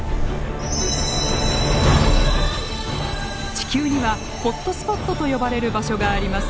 地球にはホットスポットと呼ばれる場所があります。